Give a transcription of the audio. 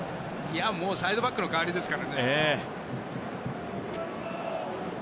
サイドバックの代わりですからね。